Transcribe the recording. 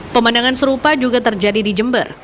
pemandangan serupa juga terjadi di jember